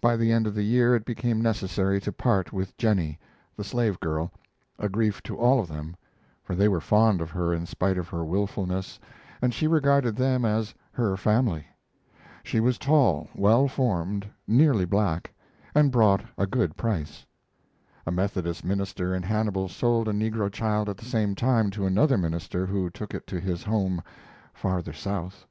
By the end of the year it became necessary to part with Jennie, the slave girl a grief to all of them, for they were fond of her in spite of her wilfulness, and she regarded them as "her family." She was tall, well formed, nearly black, and brought a good price. A Methodist minister in Hannibal sold a negro child at the same time to another minister who took it to his home farther South.